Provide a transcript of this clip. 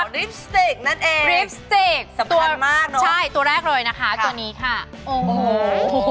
ลิปสติกนั่นเองดิปสติกสำคัญมากเนอะใช่ตัวแรกเลยนะคะตัวนี้ค่ะโอ้โห